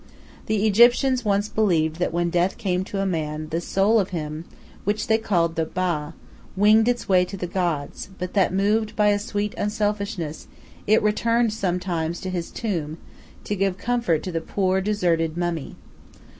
The Egyptians once believed that when death came to a man, the soul of him, which they called the Ba, winged its way to the gods, but that, moved by a sweet unselfishness, it returned sometimes to his tomb, to give comfort to the poor, deserted mummy.